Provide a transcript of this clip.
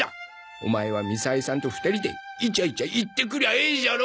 オマエはみさえさんと２人でイチャイチャ行ってくりゃええじゃろ！